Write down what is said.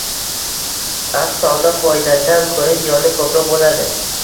Aks holda, foydadan ko`ra ziyoni ko`proq bo`ladi